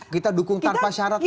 kita dukung tanpa syarat